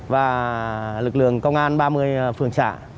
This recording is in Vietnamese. và lực lượng công an ba mươi phường xã